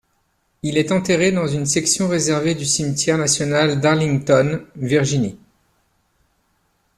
Il est enterré dans une section réservée du Cimetière National d’Arlington, Virginie.